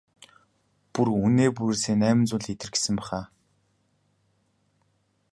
Бүр үнээ бүрээсээ найман зуун литр гэсэн байх аа?